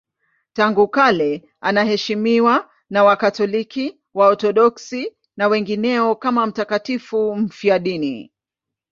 Tangu kale anaheshimiwa na Wakatoliki, Waorthodoksi na wengineo kama mtakatifu mfiadini.